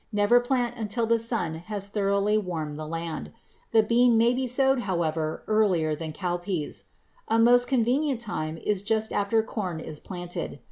Never plant until the sun has thoroughly warmed the land. The bean may be sowed, however, earlier than cowpeas. A most convenient time is just after corn is planted.